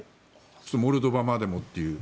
モルドバまでもという？